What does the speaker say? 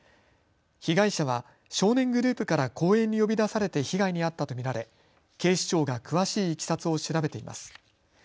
被害者は少年グループから公園に呼び出されて被害に遭ったと見られ、警視庁が詳しいいきさつを調べています。